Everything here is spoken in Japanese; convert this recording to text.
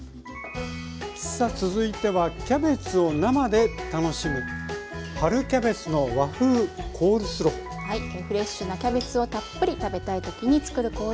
さあ続いてはキャベツを生で楽しむフレッシュなキャベツをたっぷり食べたい時に作るコールスロー。